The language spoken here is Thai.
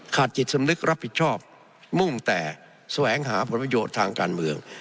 จิตสำนึกรับผิดชอบมุ่งแต่แสวงหาผลประโยชน์ทางการเมือง